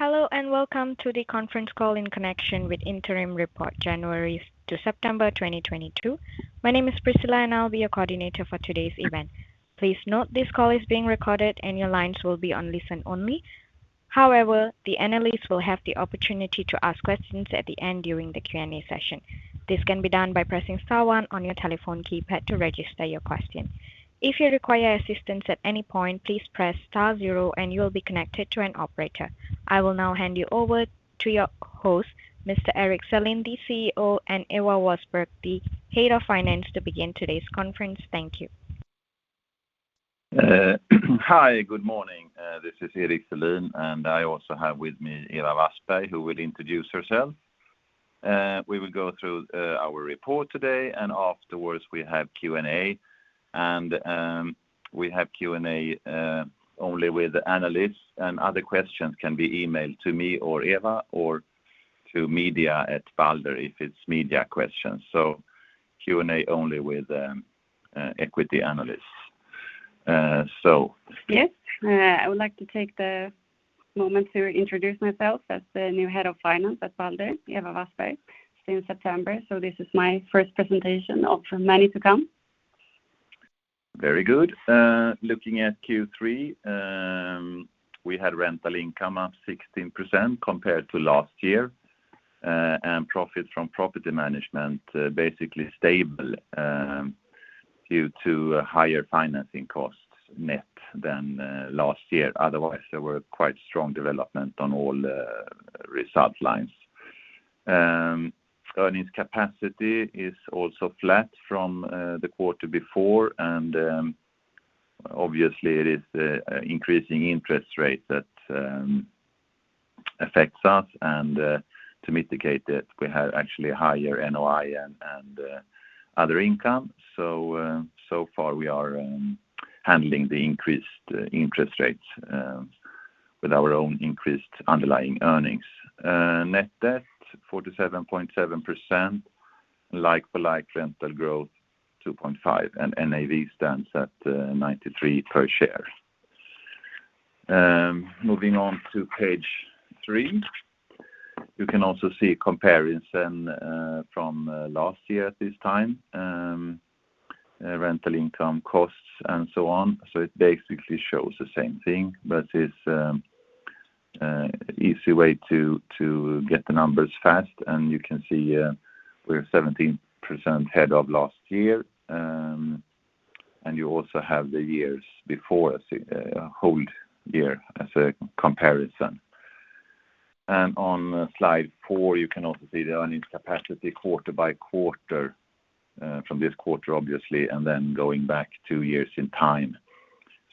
Hello, welcome to the conference call in connection with interim report January to September 2022. My name is Priscilla, and I'll be your coordinator for today's event. Please note this call is being recorded and your lines will be on listen only. However, the analysts will have the opportunity to ask questions at the end during the Q&A session. This can be done by pressing star one on your telephone keypad to register your question. If you require assistance at any point, please press star zero and you will be connected to an operator. I will now hand you over to your host, Mr. Erik Selin, the CEO, and Ewa Wassberg, the Head of Finance, to begin today's conference. Thank you. Hi, good morning. This is Erik Selin, and I also have with me Ewa Wassberg, who will introduce herself. We will go through our report today, and afterwards we have Q&A. We have Q&A only with analysts, and other questions can be emailed to me or Ewa or to media@balder if it's media questions. Q&A only with equity analysts. Yes. I would like to take the moment to introduce myself as the new Head of Finance at Balder, Ewa Wassberg, since September. This is my first presentation of many to come. Very good. Looking at Q3, we had rental income up 16% compared to last year. Profit from property management basically stable due to higher financing costs net than last year. Otherwise, there were quite strong development on all result lines. Earnings capacity is also flat from the quarter before. Obviously it is increasing interest rate that affects us. To mitigate it, we have actually higher NOI and other income. So far we are handling the increased interest rates with our own increased underlying earnings. Net debt 47.7%. Like-for-like rental growth 2.5%. NAV stands at 93 per share. Moving on to page three. You can also see comparison from last year at this time, rental income costs and so on. It basically shows the same thing, but it's easy way to get the numbers fast. You can see, we're 17% ahead of last year. You also have the years before as a whole year as a comparison. On slide four, you can also see the earnings capacity quarter by quarter from this quarter obviously, and then going back two years in time.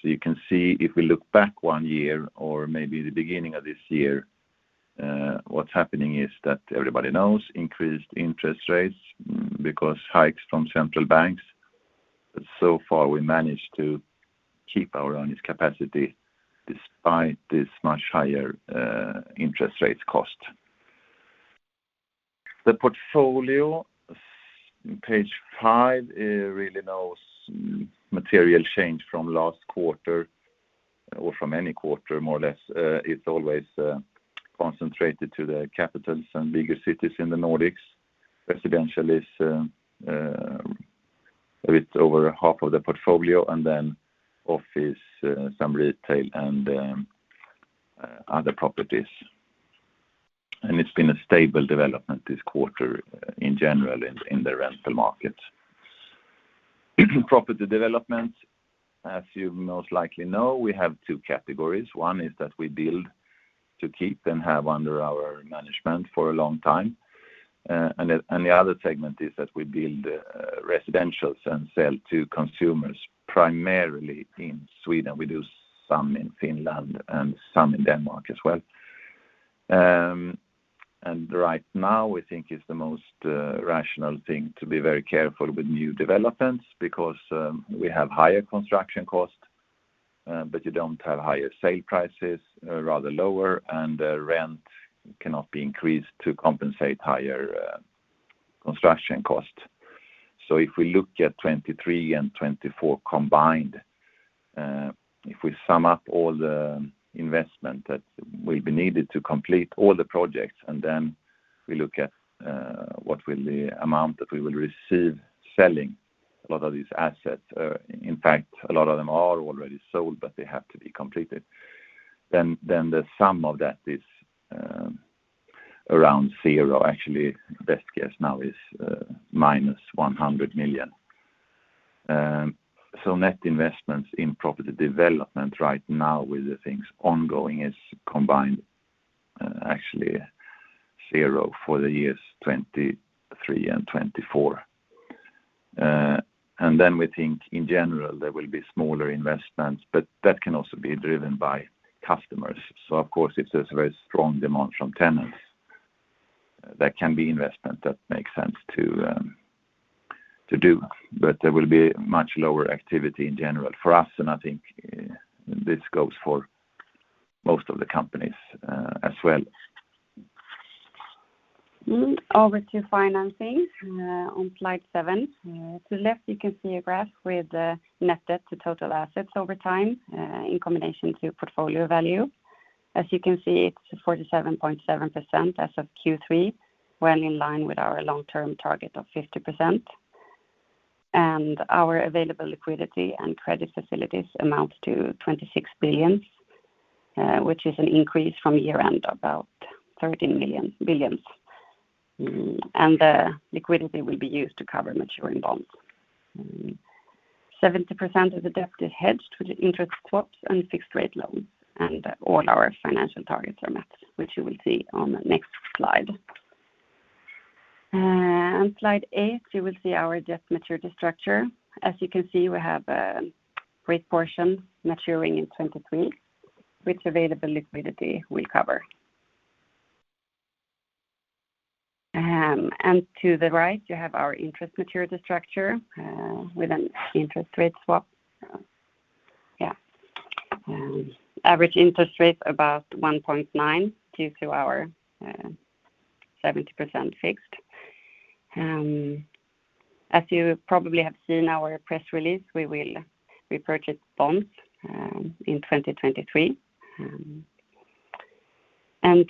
You can see if we look back one year or maybe the beginning of this year, what's happening is that everybody knows increased interest rates because hikes from central banks. So far we managed to keep our earnings capacity despite this much higher interest rates cost. The portfolio, page five, really no material change from last quarter or from any quarter more or less. It's always concentrated to the capitals and bigger cities in the Nordics. Residential is a bit over half of the portfolio, and then office, some retail and other properties. It's been a stable development this quarter in general in the rental market. Property development, as you most likely know, we have two categories. One is that we build to keep and have under our management for a long time. And the other segment is that we build residentials and sell to consumers, primarily in Sweden. We do some in Finland and some in Denmark as well. Right now we think it's the most rational thing to be very careful with new developments because we have higher construction costs, but you don't have higher sale prices, rather lower, and the rent cannot be increased to compensate higher construction costs. If we look at 2023 and 2024 combined, if we sum up all the investment that will be needed to complete all the projects, and then we look at what will the amount that we will receive selling a lot of these assets, in fact, a lot of them are already sold, but they have to be completed, then the sum of that is around 0. Actually best guess now is minus 100 million. Net investments in property development right now with the things ongoing is combined actually zero for the years 2023 and 2024. We think in general there will be smaller investments, but that can also be driven by customers. Of course, if there's very strong demand from tenants, that can be investment that makes sense to do. There will be much lower activity in general for us. I think this goes for most of the companies as well. Over to financing on slide seven. To the left, you can see a graph with the net debt to total assets over time in combination to portfolio value. As you can see, it's 47.7% as of Q3. Well in line with our long-term target of 50%. Our available liquidity and credit facilities amounts to 26 billion, which is an increase from year-end about 13 billion. The liquidity will be used to cover maturing bonds. 70% of the debt is hedged with interest swaps and fixed rate loans, and all our financial targets are met, which you will see on the next slide. Slide eight, you will see our debt maturity structure. As you can see, we have a great portion maturing in 2023, which available liquidity will cover. To the right, you have our interest maturity structure with an interest rate swap. Average interest rate about 1.9 due to our 70% fixed. As you probably have seen our press release, we will repurchase bonds in 2023.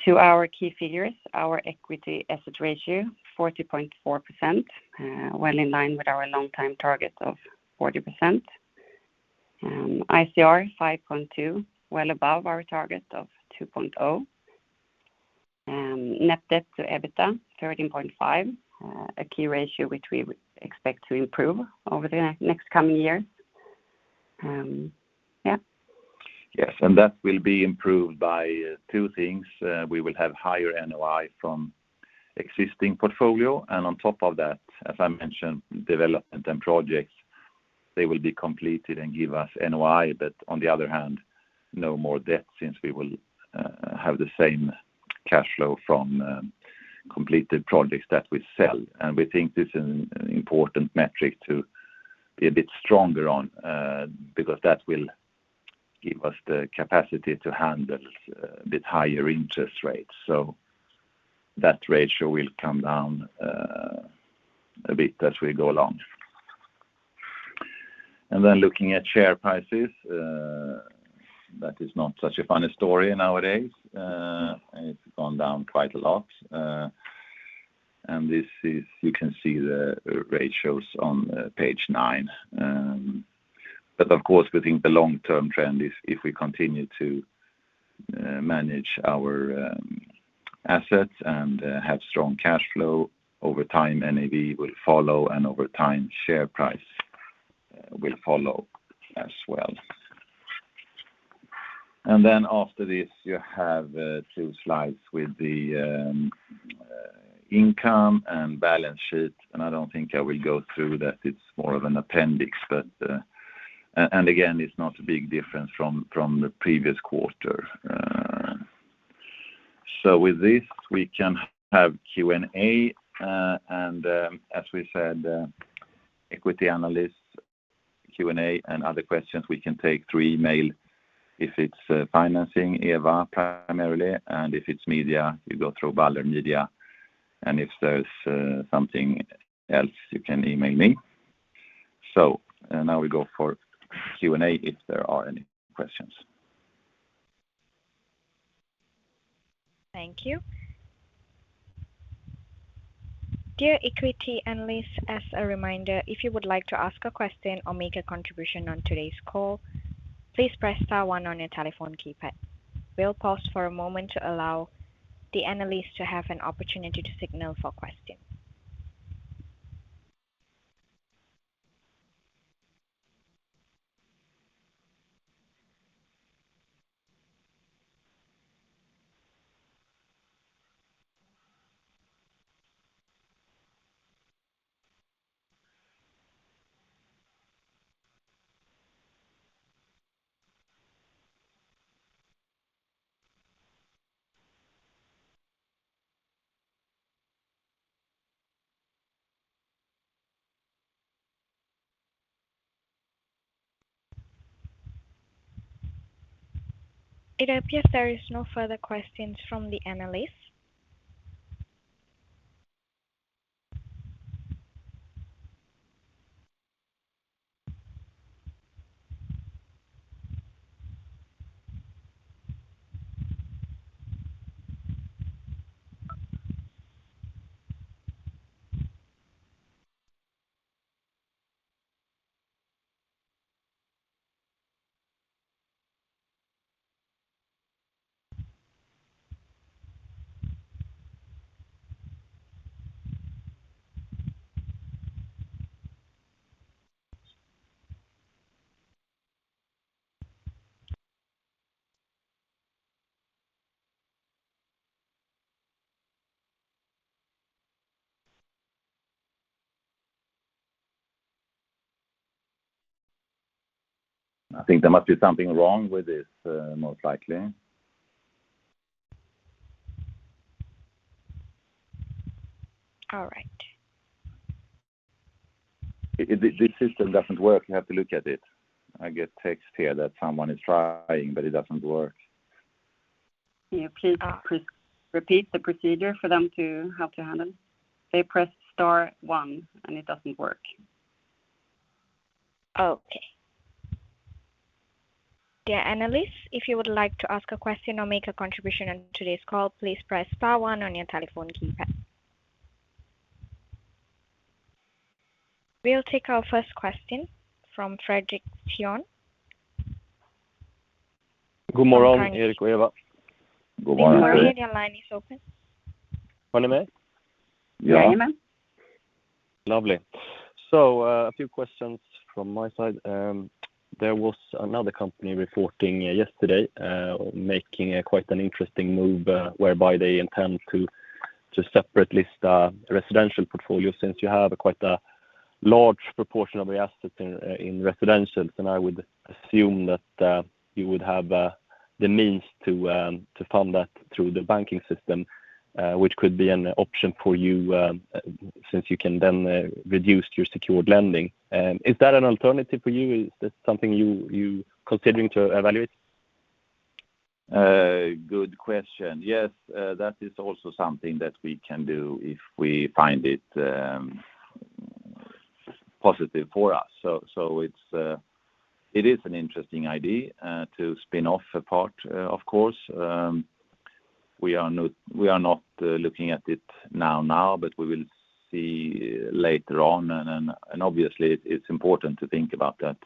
To our key figures, our equity asset ratio 40.4%, well in line with our long time target of 40%. ICR 5.2, well above our target of 2.0. Net debt to EBITDA 13.5. A key ratio which we expect to improve over the next coming years. Yes. That will be improved by two things. We will have higher NOI from existing portfolio. On top of that, as I mentioned, development and projects, they will be completed and give us NOI. On the other hand, no more debt since we will have the same cash flow from completed projects that we sell. We think this is an important metric to be a bit stronger on because that will give us the capacity to handle a bit higher interest rates. That ratio will come down a bit as we go along. Then looking at share prices, that is not such a funny story nowadays. It's gone down quite a lot. This is. You can see the ratios on page nine. Of course, we think the long-term trend is if we continue to manage our assets and have strong cash flow over time, NAV will follow, and over time, share price will follow as well. After this you have two slides with the income and balance sheet, and I don't think I will go through that. It's more of an appendix. Again, it's not a big difference from the previous quarter. With this we can have Q&A. As we said, equity analysts Q&A and other questions we can take through email. If it's financing, Ewa primarily, and if it's media, you go through Balder Media. If there's something else, you can email me. Now we go for Q&A if there are any questions. Thank you. Dear equity analysts, as a reminder, if you would like to ask a question or make a contribution on today's call, please press star one on your telephone keypad. We'll pause for a moment to allow the analysts to have an opportunity to signal for questions. It appears there is no further questions from the analysts. I think there must be something wrong with this, most likely. All right. The system doesn't work. You have to look at it. I get text here that someone is trying, but it doesn't work. Can you please repeat the procedure how to handle? Say press star one and it doesn't work. Okay. Dear analysts, if you would like to ask a question or make a contribution on today's call, please press star one on your telephone keypad. We'll take our first question from Fredrik Cyon. Good morning, Erik and Ewa. Good morning. Good morning. Your line is open. Are you there? Yeah. We hear you. Lovely. A few questions from my side. There was another company reporting yesterday, making quite an interesting move, whereby they intend to separately list residential portfolio. Since you have quite a large proportion of the assets in residential, and I would assume that you would have the means to fund that through the banking system, which could be an option for you, since you can then reduce your secured lending. Is that an alternative for you? Is this something you considering to evaluate? Good question. Yes. That is also something that we can do if we find it positive for us. It is an interesting idea to spin off a part of course. We are not looking at it now, but we will see later on. Obviously it's important to think about that.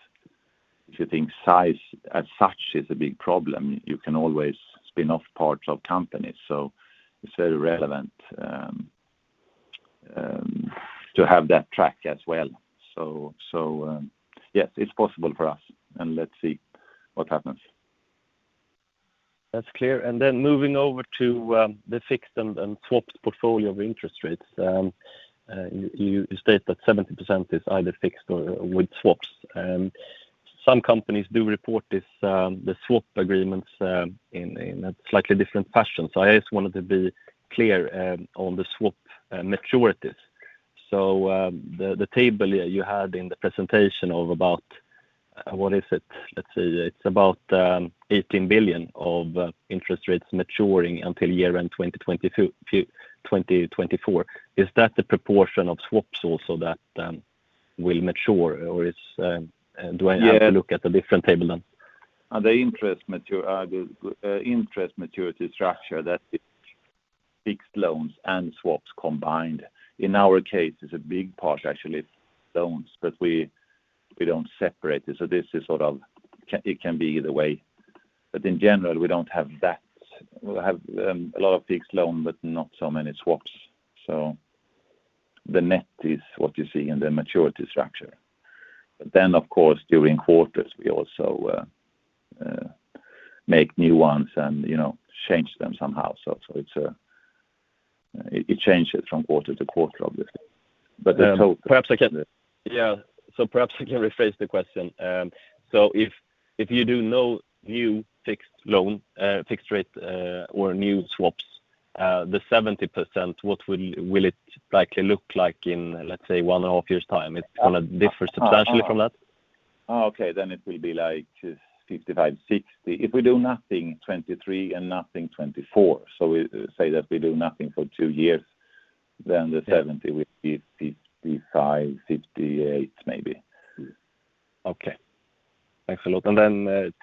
If you think size as such is a big problem, you can always spin off parts of companies. It's very relevant to have that track as well. Yes, it's possible for us, and let's see what happens. That's clear. Moving over to the fixed and swaps portfolio of interest rates. You state that 70% is either fixed or with swaps. Some companies do report this, the swap agreements, in a slightly different fashion. I just wanted to be clear on the swap maturities. The table you had in the presentation of about 18 billion of interest rates maturing until year-end 2022-2024. Is that the proportion of swaps also that will mature? Or do I have to look at a different table then? The interest maturity structure, that is fixed loans and swaps combined. In our case, it's a big part actually loans, but we don't separate it. This is sort of, it can be either way. In general, we don't have that. We have a lot of fixed loan, but not so many swaps. The net is what you see in the maturity structure. Of course, during quarters, we also make new ones and, you know, change them somehow. It's it changes from quarter to quarter, obviously. The total Perhaps I can rephrase the question. If you do no new fixed loan, fixed rate, or new swaps, the 70%, what will it likely look like in, let's say, one and a half years' time? It's gonna differ substantially from that? Oh, okay. It will be like 55-60. If we do nothing, 2023 and nothing, 2024. We say that we do nothing for two years, then the 70 will be 55-58 maybe. Okay. Thanks a lot.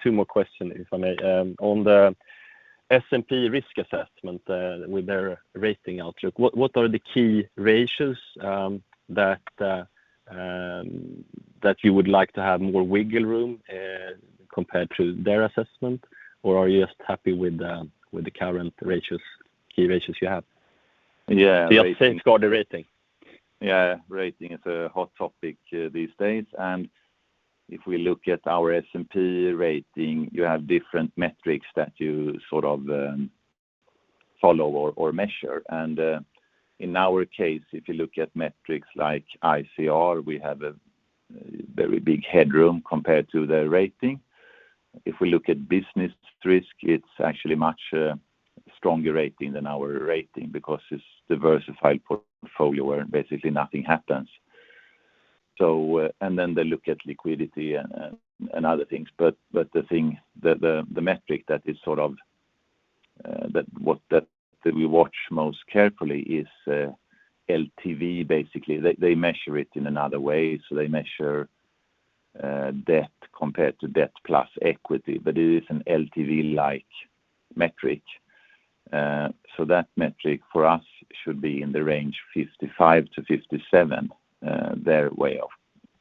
Two more questions, if I may. On the S&P risk assessment, with their rating outlook, what are the key ratios that you would like to have more wiggle room, compared to their assessment? Or are you just happy with the current ratios, key ratios you have? Yeah. The upgrade of the rating. Yeah. Rating is a hot topic these days. If we look at our S&P rating, you have different metrics that you sort of follow or measure. In our case, if you look at metrics like ICR, we have a very big headroom compared to the rating. If we look at business risk, it's actually much stronger rating than our rating because it's diversified portfolio where basically nothing happens. Then they look at liquidity and other things. But the thing, the metric that is sort of that we watch most carefully is LTV, basically. They measure it in another way. They measure debt compared to debt plus equity, but it is an LTV-like metric. That metric for us should be in the range 55%-57%, their way of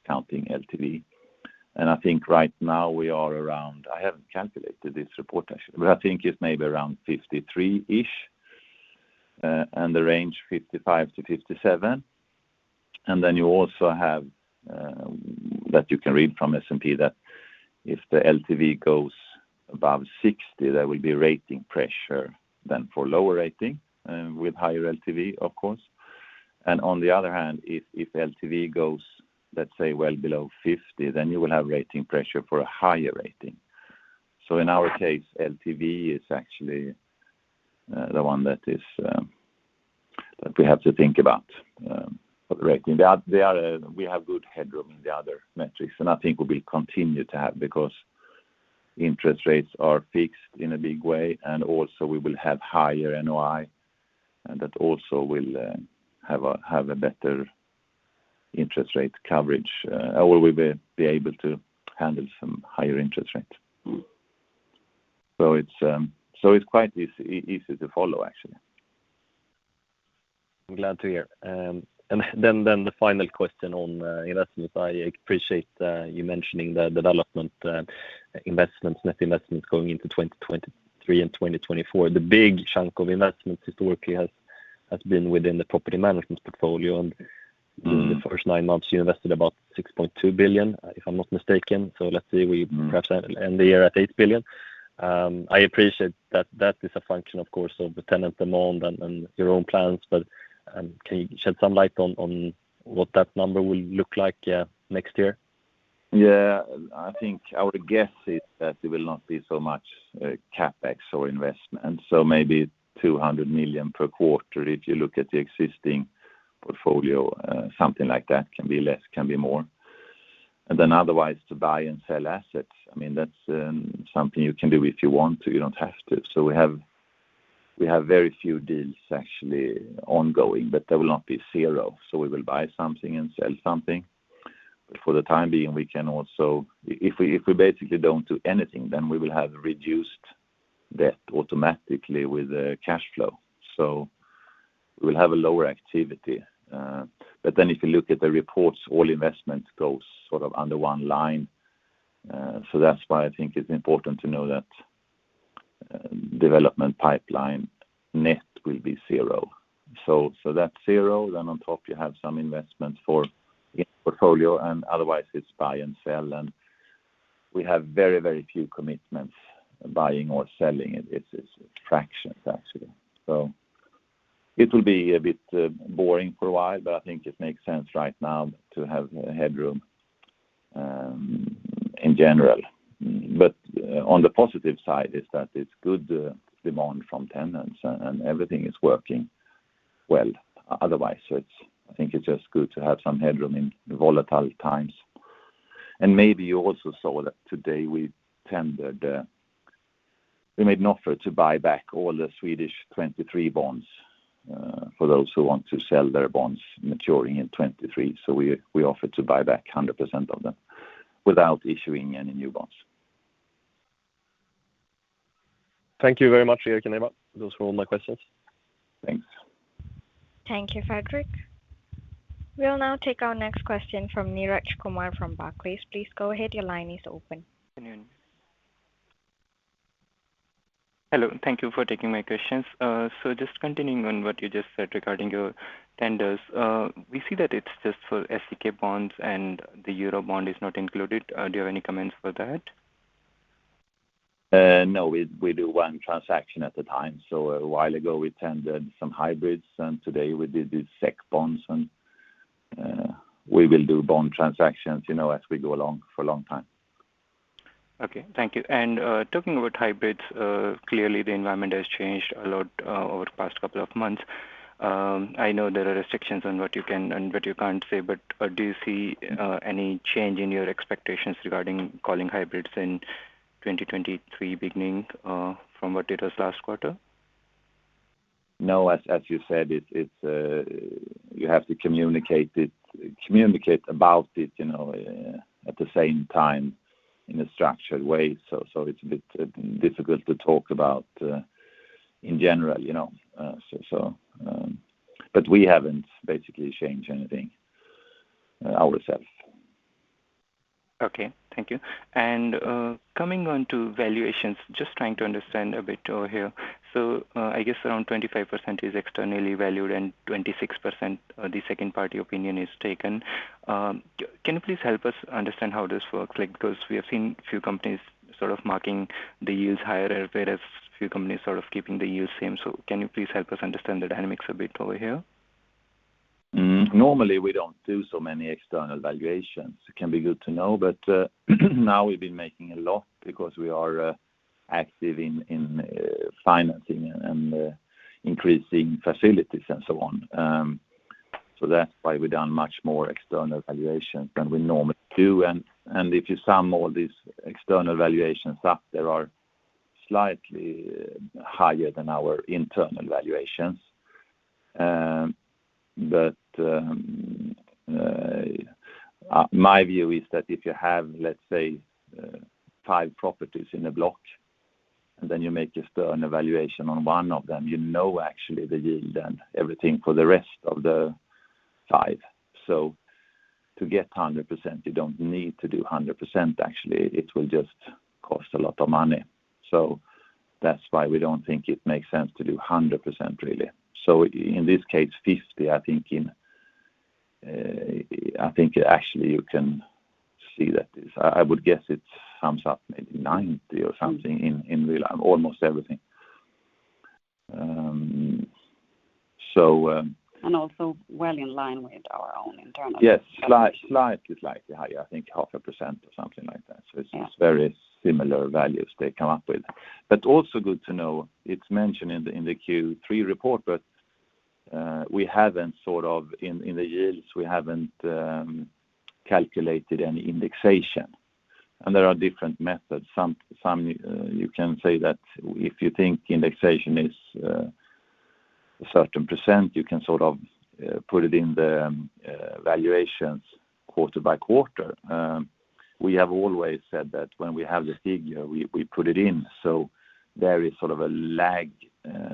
counting LTV. I think right now we are around, I haven't calculated this report actually, but I think it's maybe around 53%-ish, and the range 55%-57%. You also have that you can read from S&P that if the LTV goes above 60%, there will be rating pressure then for lower rating, with higher LTV, of course. On the other hand, if LTV goes, let's say, well below 50%, then you will have rating pressure for a higher rating. In our case, LTV is actually the one that is that we have to think about correctly. They are. We have good headroom in the other metrics, and I think we will continue to have because interest rates are fixed in a big way, and also we will have higher NOI, and that also will have a better interest rate coverage. Or we will be able to handle some higher interest rates. Mm-hmm. It's quite easy to follow actually. I'm glad to hear. Then the final question on investments. I appreciate you mentioning the development investments, net investments going into 2023 and 2024. The big chunk of investments historically has been within the property management portfolio. Mm-hmm. In the first nine months, you invested about 6.2 billion, if I'm not mistaken. Let's say we perhaps end the year at 8 billion. I appreciate that that is a function, of course, of the tenant demand and your own plans. Can you shed some light on what that number will look like next year? Yeah. I think our guess is that it will not be so much CapEx or investment. Maybe 200 million per quarter. If you look at the existing portfolio, something like that. Can be less, can be more. Otherwise to buy and sell assets, I mean that's something you can do if you want to. You don't have to. We have very few deals actually ongoing, but there will not be zero. We will buy something and sell something. For the time being, we can also. If we basically don't do anything, then we will have reduced debt automatically with the cash flow. We'll have a lower activity. If you look at the reports, all investment goes sort of under one line. That's why I think it's important to know that development pipeline net will be zero. That's zero. On top you have some investments for portfolio and otherwise it's buy and sell. We have very, very few commitments buying or selling. It's fractions actually. It will be a bit boring for a while, but I think it makes sense right now to have headroom in general. On the positive side is that it's good demand from tenants and everything is working well otherwise. It's good to have some headroom in volatile times. I think it's just good to have some headroom in volatile times. Maybe you also saw that today we tendered. We made an offer to buy back all the Swedish 2023 bonds for those who want to sell their bonds maturing in 2023. We offered to buy back 100% of them without issuing any new bonds. Thank you very much, Fredrik Cyon. Those were all my questions. Thanks. Thank you, Fredrik. We'll now take our next question from Neeraj Kumar from Barclays. Please go ahead. Your line is open. Good afternoon. Hello. Thank you for taking my questions. Just continuing on what you just said regarding your tenders. We see that it's just for SEK bonds and the Euro bond is not included. Do you have any comments for that? No. We do one transaction at a time. A while ago we tendered some hybrids, and today we did the SEK bonds and we will do bond transactions, you know, as we go along for a long time. Okay. Thank you. Talking about hybrids, clearly the environment has changed a lot over the past couple of months. I know there are restrictions on what you can and what you can't say, but do you see any change in your expectations regarding calling hybrids in 2023 beginning from what it was last quarter? No. As you said, it's. You have to communicate it, communicate about it, you know, at the same time in a structured way. It's a bit difficult to talk about in general, you know. We haven't basically changed anything ourselves. Okay. Thank you. Coming on to valuations, just trying to understand a bit over here. I guess around 25% is externally valued and 26%, the second party opinion is taken. Can you please help us understand how this works? Like, because we have seen few companies sort of marking the yields higher whereas few companies sort of keeping the yields same. Can you please help us understand the dynamics a bit over here? Normally, we don't do so many external valuations. It can be good to know. Now we've been making a lot because we are active in financing and increasing facilities and so on. That's why we've done much more external valuations than we normally do. If you sum all these external valuations up, there are slightly higher than our internal valuations. My view is that if you have, let's say, five properties in a block, and then you make just a valuation on one of them, you know actually the yield and everything for the rest of the five. To get 100%, you don't need to do 100% actually. It will just cost a lot of money. That's why we don't think it makes sense to do 100% really. In this case, 50. I think actually you can see that. I would guess it sums up maybe 90 or something in real, almost everything. Well in line with our own internal. Yes. Slightly higher. I think 0.5% or something like that. Yeah. It's very similar values they come up with. It's also good to know it's mentioned in the Q3 report, but we haven't calculated any indexation in the yields. There are different methods. Some you can say that if you think indexation is a certain percent, you can sort of put it in the valuations quarter by quarter. We have always said that when we have the figure, we put it in. There is sort of a lag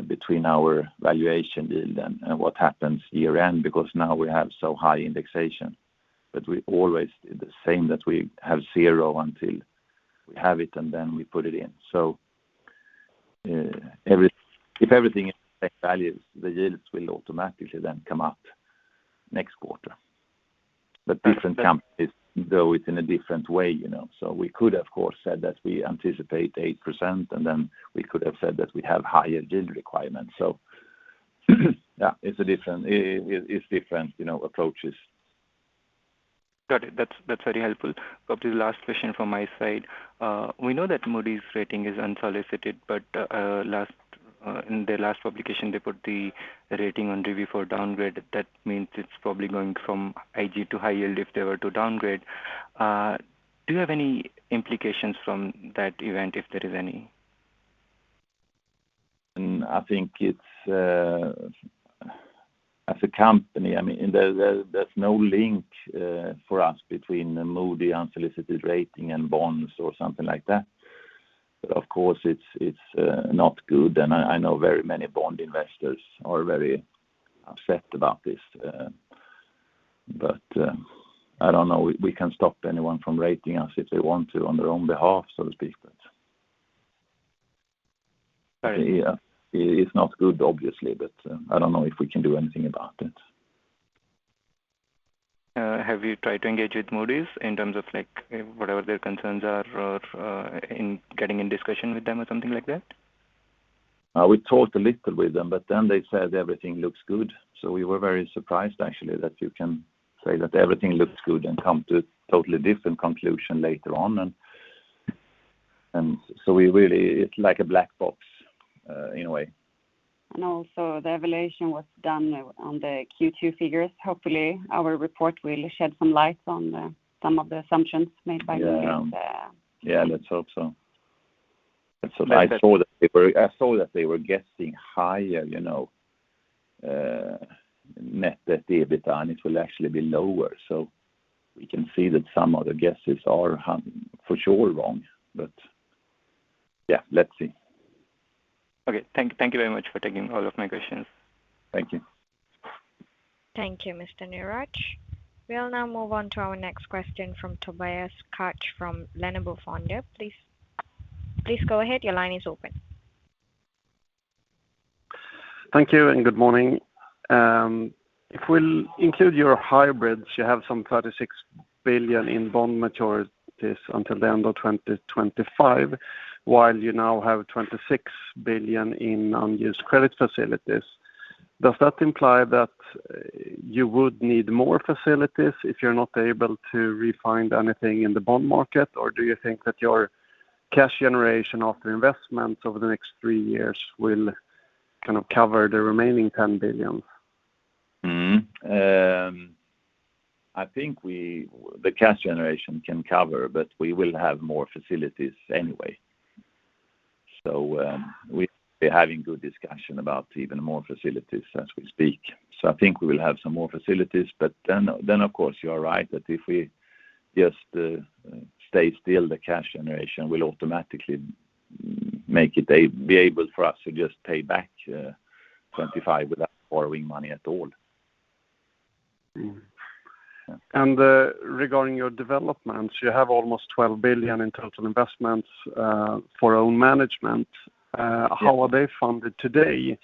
between our valuation yield and what happens year-end because now we have so high indexation. We always did the same that we have zero until we have it and then we put it in. Every If everything is the same values, the yields will automatically then come up next quarter. Different companies do it in a different way, you know. We could, of course, have said that we anticipate 8%, and then we could have said that we have higher yield requirements. Yeah, it's different, you know, approaches. Got it. That's very helpful. Probably the last question from my side. We know that Moody's rating is unsolicited, but in the last publication, they put the rating on review for downgrade. That means it's probably going from IG to high yield if they were to downgrade. Do you have any implications from that event if there is any? I think it's as a company, I mean, there's no link for us between the Moody's unsolicited rating and bonds or something like that. Of course it's not good, and I know very many bond investors are very upset about this. I don't know, we can't stop anyone from rating us if they want to on their own behalf, so to speak. Right. Yeah. It's not good obviously, but I don't know if we can do anything about it. Have you tried to engage with Moody's in terms of like, whatever their concerns are or in getting into discussion with them or something like that? We talked a little with them, but then they said everything looks good. We were very surprised actually that you can say that everything looks good and come to a totally different conclusion later on. We really. It's like a black box in a way. The evaluation was done on the Q2 figures. Hopefully, our report will shed some light on some of the assumptions made by- Yeah. The, uh- Yeah. Let's hope so. I saw that they were guessing higher, you know, net debt to EBITDA, and it will actually be lower. We can see that some of the guesses are for sure wrong. Yeah, let's see. Okay. Thank you very much for taking all of my questions. Thank you. Thank you, Mr. Neeraj. We'll now move on to our next question from Tobias Kaj from Lannebo Fonder. Please go ahead. Your line is open. Thank you and good morning. If we'll include your hybrids, you have some 36 billion in bond maturities until the end of 2025, while you now have 26 billion in unused credit facilities. Does that imply that you would need more facilities if you're not able to refinance anything in the bond market? Or do you think that your cash generation after investments over the next three years will kind of cover the remaining 10 billion? I think the cash generation can cover, but we will have more facilities anyway. We're having good discussion about even more facilities as we speak. I think we will have some more facilities, but then of course you are right that if we just stay still, the cash generation will automatically make it able for us to just pay back 25 without borrowing money at all. Regarding your developments, you have almost 12 billion in total investments for own management. Yes. How are they funded today?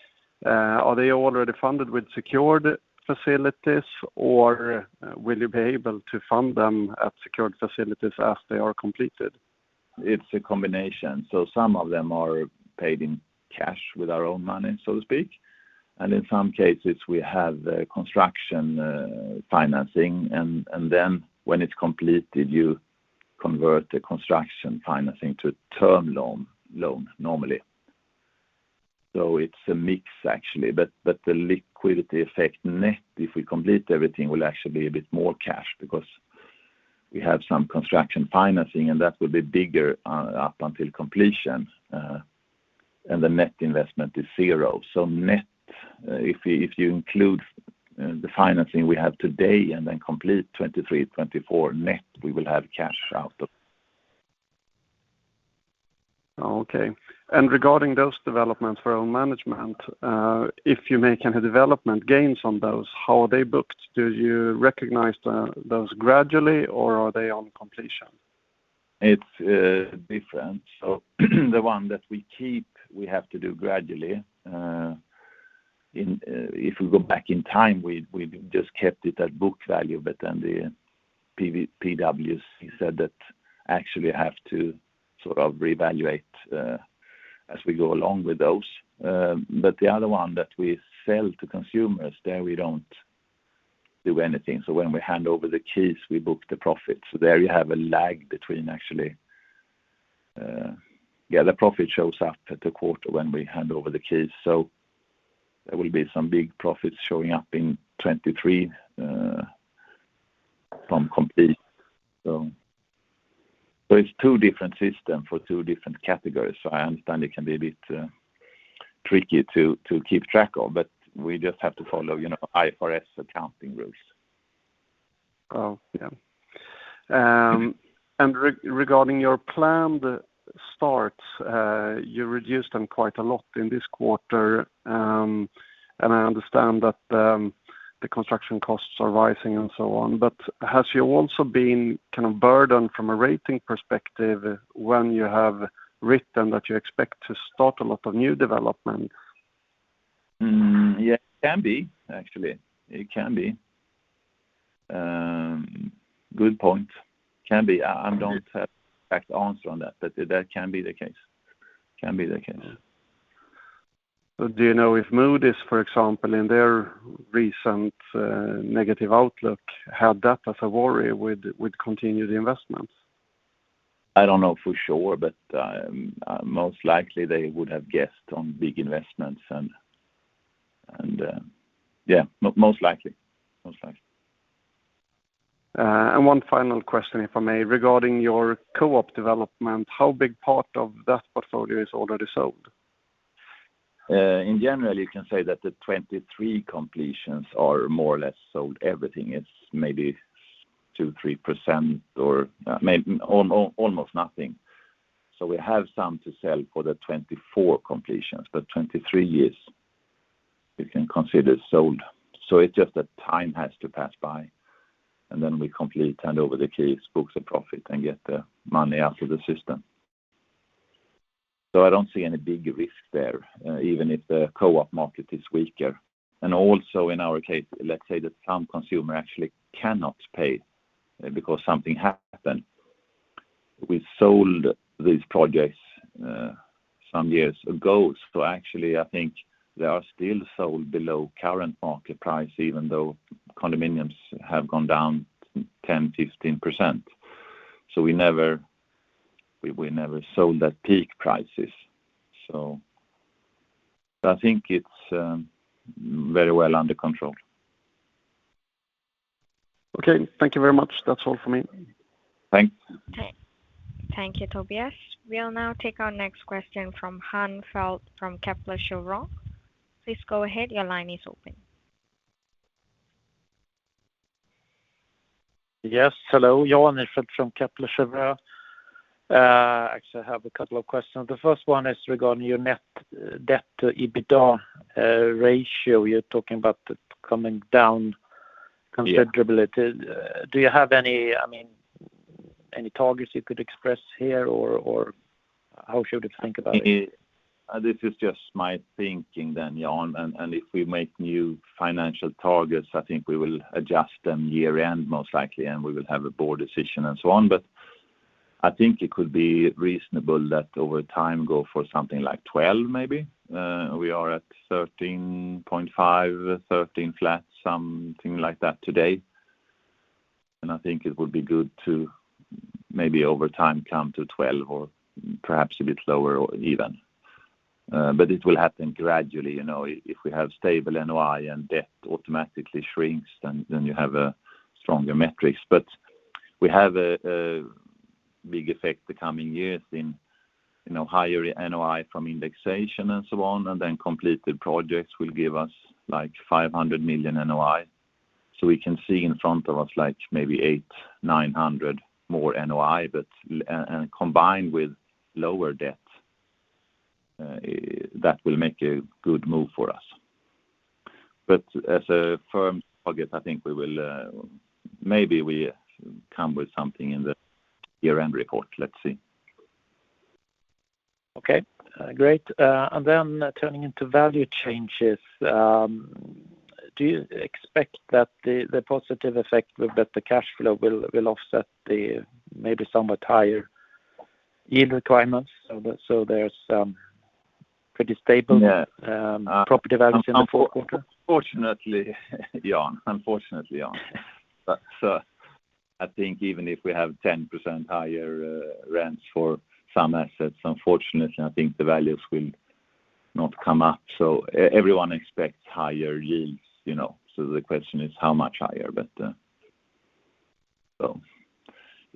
Are they already funded with secured facilities or will you be able to fund them at secured facilities as they are completed? It's a combination. Some of them are paid in cash with our own money, so to speak. In some cases we have construction financing and then when it's completed, you convert the construction financing to term loan normally. It's a mix actually. The liquidity effect net, if we complete everything, will actually be a bit more cash because we have some construction financing, and that will be bigger up until completion, and the net investment is zero. Net, if you include the financing we have today and then complete 2023, 2024, net, we will have cash out of. Oh, okay. Regarding those developments for own management, if you make any development gains on those, how are they booked? Do you recognize those gradually or are they on completion? It's different. The one that we keep, we have to do gradually, in. If we go back in time, we've just kept it at book value, but then PwC, he said that we actually have to sort of reevaluate, as we go along with those. The other one that we sell to consumers, there we don't do anything. When we hand over the keys, we book the profit. There you have a lag between actually the profit shows up in the quarter when we hand over the keys. There will be some big profits showing up in 2023 from completions. It's two different systems for two different categories. I understand it can be a bit tricky to keep track of, but we just have to follow, you know, IFRS accounting rules. Oh, yeah. Regarding your planned starts, you reduced them quite a lot in this quarter, and I understand that the construction costs are rising and so on. Have you also been kind of burdened from a rating perspective when you have written that you expect to start a lot of new development? Yeah, it can be, actually. Good point. I don't have exact answer on that, but that can be the case. Yeah. Do you know if Moody's, for example, in their recent negative outlook, had that as a worry with continued investments? I don't know for sure, but most likely they would have guessed on big investments and yeah, most likely. Most likely. One final question, if I may. Regarding your co-op development, how big part of that portfolio is already sold? In general, you can say that the 2023 completions are more or less sold. Everything is maybe 2%-3% or almost nothing. We have some to sell for the 2024 completions, but 2023 you can consider sold. It's just that time has to pass by, and then we complete, hand over the keys, book the profit, and get the money out of the system. I don't see any big risk there, even if the co-op market is weaker. In our case, let's say that some consumer actually cannot pay, because something happened. We sold these projects some years ago. Actually I think they are still sold below current market price, even though condominiums have gone down 10%-15%. We never sold at peak prices. I think it's very well under control. Okay. Thank you very much. That's all for me. Thanks. Thank you, Tobias. We'll now take our next question from Jan Ihrfelt from Kepler Cheuvreux. Please go ahead. Your line is open. Yes. Hello. Jan Ihrfelt from Kepler Cheuvreux. Actually I have a couple of questions. The first one is regarding your net debt to EBITDA ratio. You're talking about it coming down considerably. Yeah. Do you have any, I mean, targets you could express here or how should we think about it? This is just my thinking then, Jan. If we make new financial targets, I think we will adjust them year-end most likely, and we will have a board decision and so on. I think it could be reasonable that over time go for something like 12 maybe. We are at 13.5, 13 flat, something like that today. I think it would be good to maybe over time come to 12 or perhaps a bit lower or even. It will happen gradually, you know. If we have stable NOI and debt automatically shrinks, then you have a stronger metrics. We have a big effect the coming years in, you know, higher NOI from indexation and so on, and then completed projects will give us like 500 million NOI. We can see in front of us like maybe 800-900 more NOI. Combined with lower debt, that will make a good move for us. As a firm target, I think we will maybe come with something in the year-end report. Let's see. Okay. Great. Turning into value changes, do you expect that the positive effect with the cash flow will offset the maybe somewhat higher yield requirements so there's pretty stable. Yeah. Property values in the fourth quarter? Unfortunately, Jan. I think even if we have 10% higher rents for some assets, unfortunately, I think the values will not come up. Everyone expects higher yields, you know, so the question is how much higher.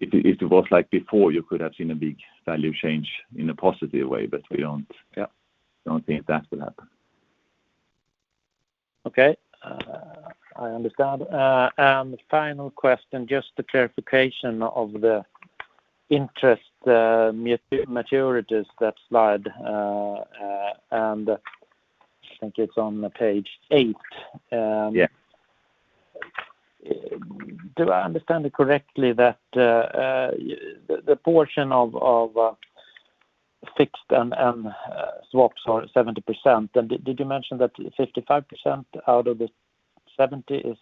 If it was like before, you could have seen a big value change in a positive way, but we don't. Yeah. Don't think that will happen. Okay. I understand. Final question, just a clarification of the interest maturities, that slide, and I think it's on page eight. Yeah. Do I understand it correctly that the portion of fixed and swaps are 70%. Did you mention that 55% out of the 70 is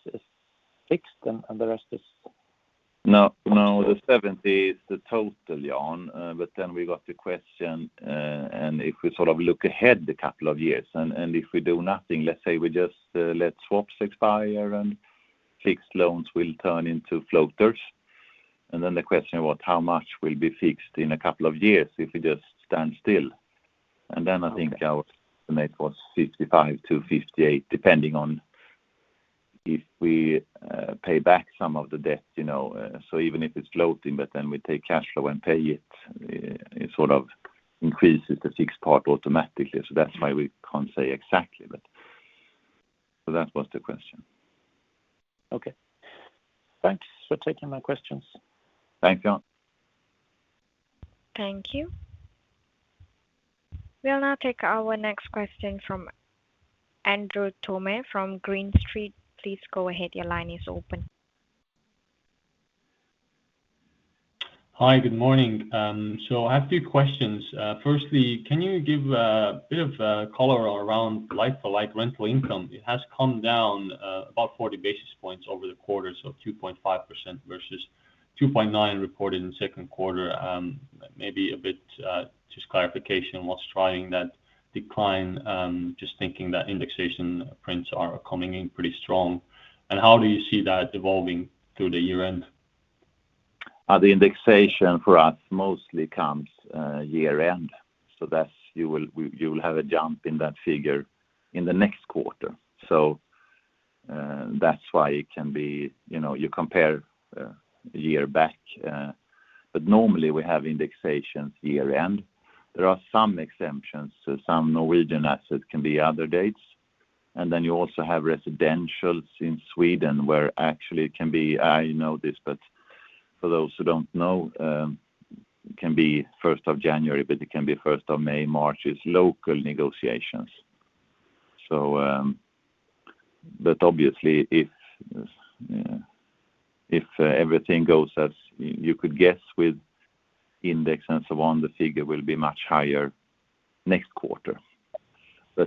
fixed and the rest is. No, no, the 70 is the total, Jan. But then we got the question, and if we sort of look ahead a couple of years and if we do nothing, let's say we just let swaps expire and fixed loans will turn into floaters. Then the question was how much will be fixed in a couple of years if we just stand still. Okay. I think our estimate was 55-58, depending on if we pay back some of the debt, you know. Even if it's floating, but then we take cash flow and pay it sort of increases the fixed part automatically. That's why we can't say exactly, but. That was the question. Okay. Thanks for taking my questions. Thanks, Jan. Thank you. We'll now take our next question from Andres Toome from Green Street. Please go ahead. Your line is open. Hi, good morning. I have two questions. Firstly, can you give a bit of color around like-for-like rental income? It has come down about 40 basis points over the quarter, so 2.5% versus 2.9% reported in the second quarter. Maybe a bit just clarification what's driving that decline, just thinking that indexation prints are coming in pretty strong. How do you see that evolving through the year end? The indexation for us mostly comes year end. You will have a jump in that figure in the next quarter. That's why it can be. You know, you compare year back, but normally we have indexations year end. There are some exemptions. Some Norwegian assets can be other dates. Then you also have residentials in Sweden where actually it can be. I know this, but for those who don't know, can be first of January, but it can be first of May, March. It's local negotiations. Obviously, if everything goes as you could guess with index and so on, the figure will be much higher next quarter.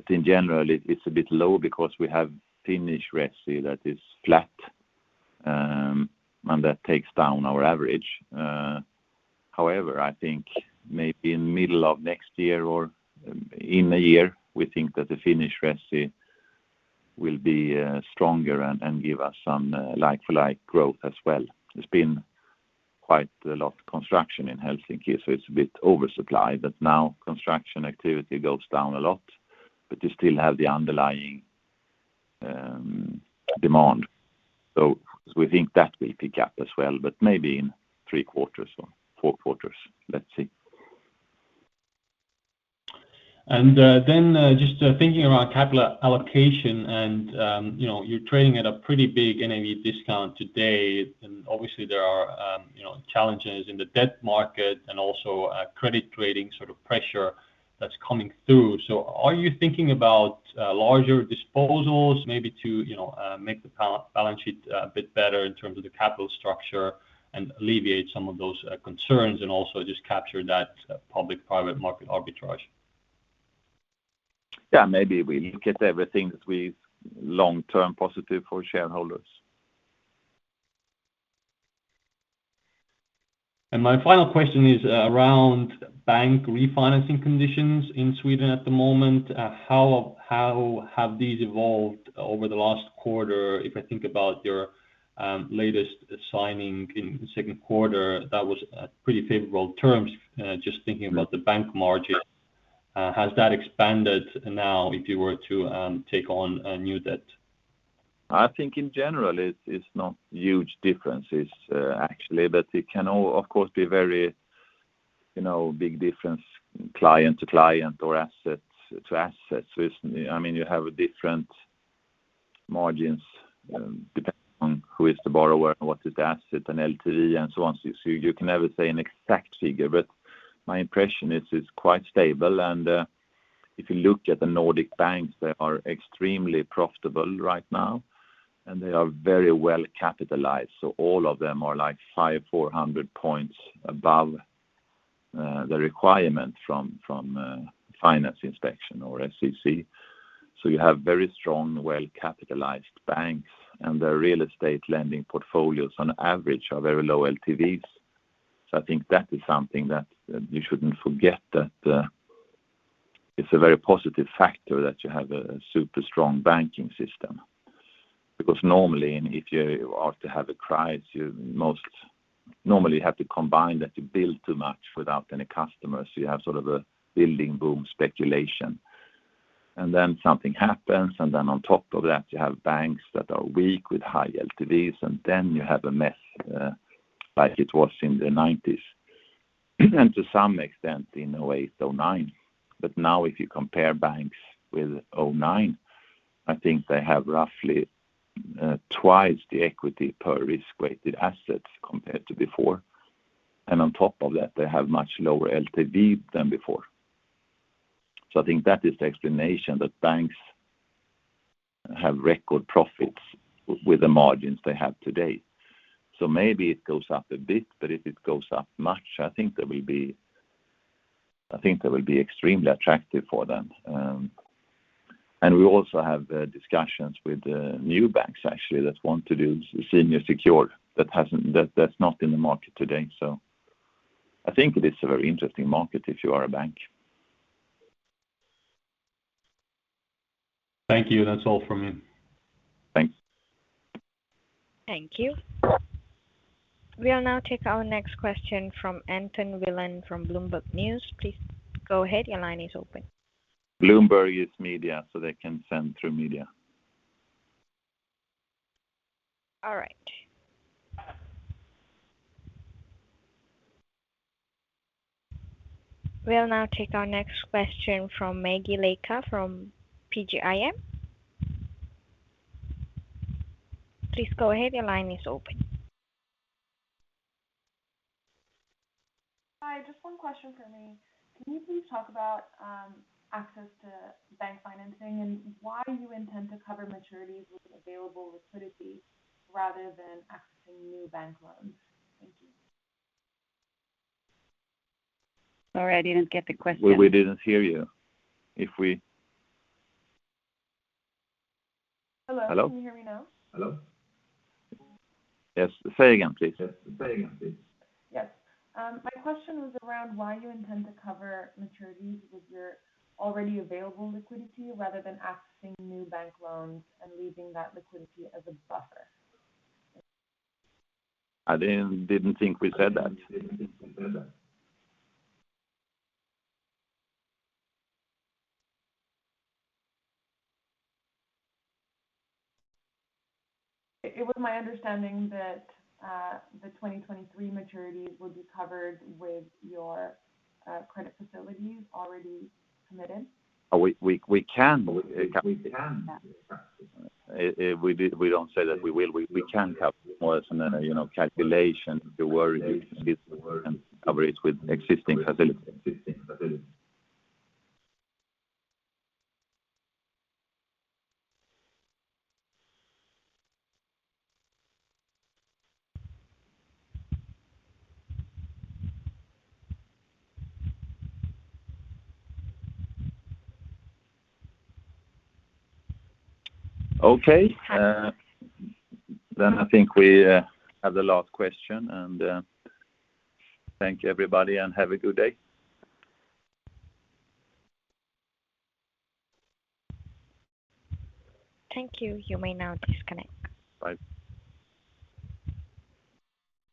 In general it's a bit low because we have Finnish resi that is flat, and that takes down our average. However, I think maybe in middle of next year or in a year, we think that the Finnish resi will be stronger and give us some like-for-like growth as well. There's been quite a lot of construction in Helsinki, so it's a bit oversupply. Now construction activity goes down a lot, but you still have the underlying demand. We think that will pick up as well, but maybe in three quarters or four quarters. Let's see. Then just thinking around capital allocation and you know you're trading at a pretty big NAV discount today, and obviously there are you know challenges in the debt market and also a credit rating sort of pressure that's coming through. Are you thinking about larger disposals maybe to you know make the balance sheet a bit better in terms of the capital structure and alleviate some of those concerns and also just capture that public-private market arbitrage? Yeah, maybe we look at everything that we've long-term positive for shareholders. My final question is around bank refinancing conditions in Sweden at the moment. How have these evolved over the last quarter? If I think about your latest signing in the second quarter, that was pretty favorable terms, just thinking about the bank margin. Has that expanded now if you were to take on a new debt? I think in general it's not huge differences, actually, but it can of course be very, you know, big difference client to client or asset to asset. It's, I mean, you have different margins, depending on who is the borrower, what is the asset and LTV and so on. You can never say an exact figure. My impression is it's quite stable and, if you look at the Nordic banks, they are extremely profitable right now, and they are very well capitalized. All of them are like 5,400 points above the requirement from Finansinspektionen or FSA. You have very strong, well-capitalized banks, and their real estate lending portfolios on average are very low LTVs. I think that is something that you shouldn't forget that it's a very positive factor that you have a super strong banking system. Because normally, if you are to have a crisis, you most normally have to combine that you build too much without any customers. You have sort of a building boom speculation. Then something happens, and then on top of that, you have banks that are weak with high LTVs, and then you have a mess like it was in the nineties. To some extent in 2008, 2009. But now if you compare banks with 2009, I think they have roughly twice the equity per risk-weighted assets compared to before. On top of that, they have much lower LTV than before. I think that is the explanation that banks have record profits with the margins they have today. Maybe it goes up a bit, but if it goes up much, I think that will be extremely attractive for them. And we also have discussions with the new banks actually that want to do senior secured that's not in the market today. I think it is a very interesting market if you are a bank. Thank you. That's all from me. Thanks. Thank you. We'll now take our next question from Anton Villen from Bloomberg News. Please go ahead. Your line is open. Bloomberg is media so they can send through media. All right. We'll now take our next question from Megi Leka from PGIM. Please go ahead. Your line is open. Hi, just one question for me. Can you please talk about access to bank financing and why you intend to cover maturities with available liquidity rather than accessing new bank loans? Thank you. Sorry, I didn't get the question. We didn't hear you. Hello? Hello? Can you hear me now? Hello? Yes. Say again, please. Yes. Say again, please. Yes. My question was around why you intend to cover maturities with your already available liquidity rather than accessing new bank loans and leaving that liquidity as a buffer? I didn't think we said that. It was my understanding that the 2023 maturities will be covered with your credit facilities already committed. We can. We can. Yeah. We don't say that we will. We can have more or less than a, you know, calculation to where this and cover it with existing facilities. Okay. I think we have the last question and thank you, everybody, and have a good day. Thank you. You may now disconnect. Bye.